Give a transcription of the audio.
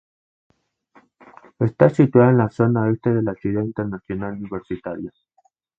Está situada en la zona este de la Ciudad Internacional Universitaria.